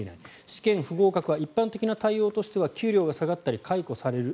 試験不合格は一般的な対応としては給料が下がったり解雇される。